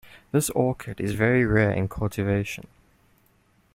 This orchid is very rare in cultivation.